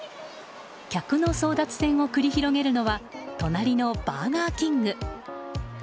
客の争奪戦を繰り広げるのは隣のバーガーキング。